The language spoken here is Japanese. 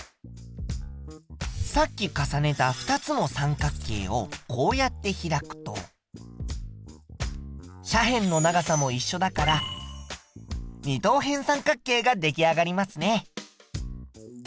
さっき重ねた２つの三角形をこうやって開くと斜辺の長さもいっしょだから二等辺三角形が出来上がりますね。